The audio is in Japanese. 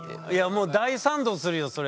もう大賛同するよそれ。